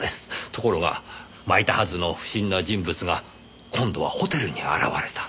ところがまいたはずの不審な人物が今度はホテルに現れた。